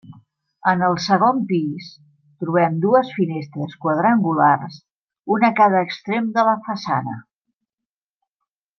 En el segon pis trobem dues finestres quadrangulars, una a cada extrem de la façana.